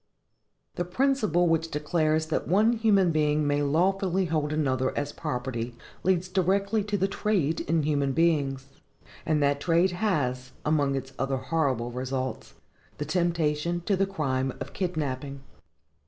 The principle which declares that one human being may lawfully hold another as property leads directly to the trade in human beings; and that trade has, among its other horrible results, the temptation to the crime of kidnapping.